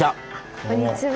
こんにちは。